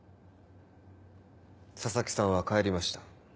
佐々木さんは帰りました。